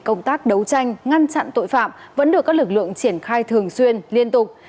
công tác đấu tranh ngăn chặn tội phạm vẫn được các lực lượng triển khai thường xuyên liên tục